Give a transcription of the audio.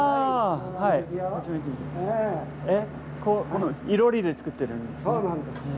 この囲炉裏で作ってるんですね？